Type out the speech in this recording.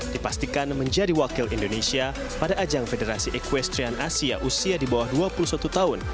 dipastikan menjadi wakil indonesia pada ajang federasi equestrian asia usia di bawah dua puluh satu tahun